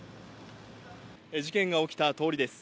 事件が起きた通りです。